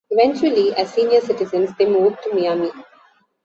Eventually, as senior citizens, they moved to Miami.